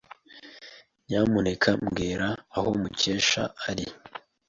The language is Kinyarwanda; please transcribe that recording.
Nyamuneka mbwira aho Mukesha ari.